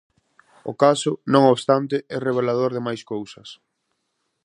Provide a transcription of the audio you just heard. O caso, non obstante, é revelador de máis cousas.